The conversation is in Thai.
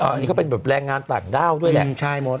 อ๋ออันนี้ก็เป็นแบบแรงงานต่างด้าวด้วยแหละอืมใช่หมด